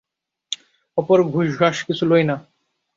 অপর ঘুষঘাস কিছু লই না।